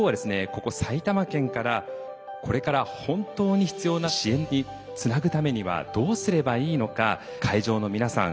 ここ埼玉県からこれから本当に必要な支援につなぐためにはどうすればいいのか会場の皆さん